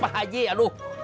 pak haji aduh